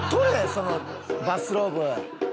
そのバスローブ。